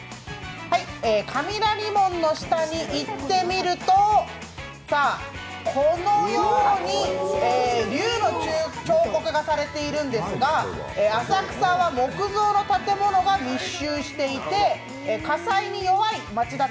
雷門の下に行ってみると、このように龍の彫刻がされているんですが浅草は木造の建物が密集していて、火災に弱い町っ